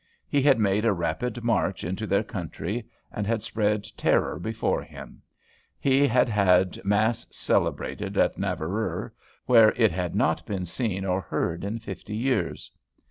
He had made a rapid march into their country, and had spread terror before him. He had had mass celebrated in Navarreux, where it had not been seen or heard in fifty years.